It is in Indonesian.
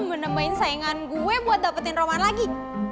jangan nemen nepain sayangan gue buat dapetin roman lagi